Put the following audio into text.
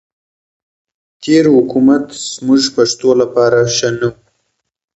تېر حکومت زموږ پښتنو لپاره ښه نه وو.